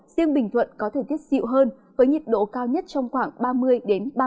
riêng bình thuận có thời tiết dịu hơn với nhiệt độ cao nhất trong khoảng ba mươi ba mươi ba